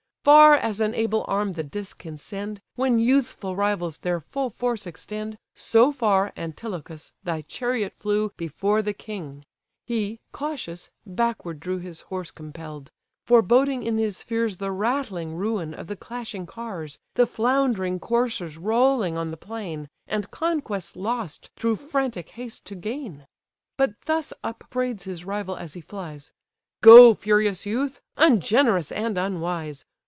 Far as an able arm the disk can send, When youthful rivals their full force extend, So far, Antilochus! thy chariot flew Before the king: he, cautious, backward drew His horse compell'd; foreboding in his fears The rattling ruin of the clashing cars, The floundering coursers rolling on the plain, And conquest lost through frantic haste to gain. But thus upbraids his rival as he flies: "Go, furious youth! ungenerous and unwise!